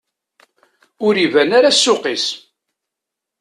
Ur iban ara ssuq-is.